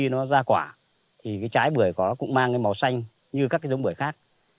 nó ra quả thì cái trái bưởi của nó cũng mang cái màu xanh như các cái giống bưởi khác